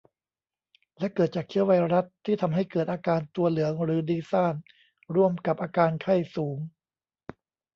และเกิดจากเชื้อไวรัส ที่ทำให้เกิดอาการตัวเหลืองหรือดีซ่าน ร่วมกับอาการไข้สูง